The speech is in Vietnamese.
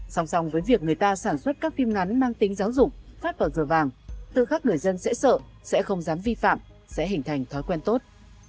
xong xong với việc người ta sản xuất các phim ngắn mang tính giáo dục phát vật dừa vàng tư khắc người dân sẽ sợ sẽ không dám vi phạm sẽ hình thành thói quen tốt